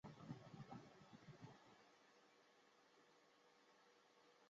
这两天都没碰到行李